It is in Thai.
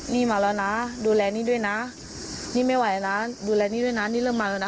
นี่มาแล้วนะดูแลหนี้ด้วยนะนี่ไม่ไหวนะดูแลหนี้ด้วยนะนี่เริ่มมาแล้วนะ